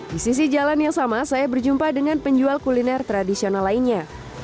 di sisi jalan yang sama saya berjumpa dengan penjual kuliner tradisional lainnya